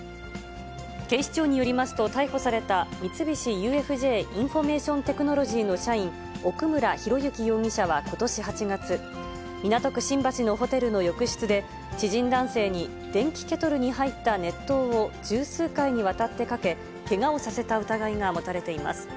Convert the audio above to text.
警視庁によりますと、逮捕された、三菱ＵＦＪインフォメーションテクノロジーの社員、奥村啓志容疑者はことし８月、港区新橋のホテルの浴室で、知人男性に電気ケトルに入った熱湯を十数回にわたってかけ、けがをさせた疑いが持たれています。